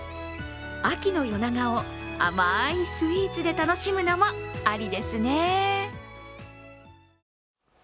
秋の夜長を甘いスイーツで楽しむのもありですね。